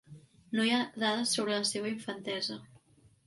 No hi ha dades sobre la seva infantesa.